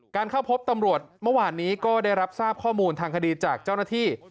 เข้าพบตำรวจเมื่อวานนี้ก็ได้รับทราบข้อมูลทางคดีจากเจ้าหน้าที่